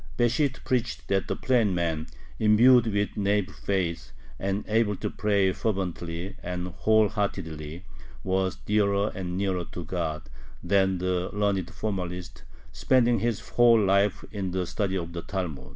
Besht preached that the plain man, imbued with naïve faith, and able to pray fervently and whole heartedly, was dearer and nearer to God than the learned formalist spending his whole life in the study of the Talmud.